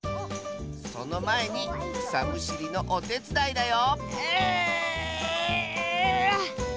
そのまえにくさむしりのおてつだいだようあっ！